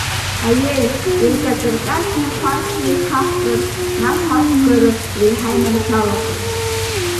Аиеи, иркьаҿ-ркьаҿны хәархьла ихаҳҵәар, нас ақәгара еиҳа иманшәалахоит…